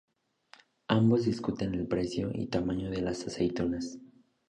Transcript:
Ambos discuten el precio y tamaño de las aceitunas.